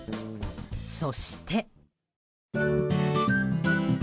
そして。